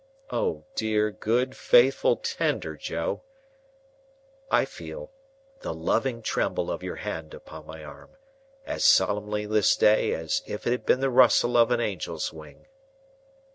O dear good faithful tender Joe, I feel the loving tremble of your hand upon my arm, as solemnly this day as if it had been the rustle of an angel's wing!